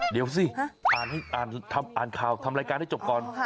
เดี๋ยวสิอ่านข่าวทำรายการให้จบก่อน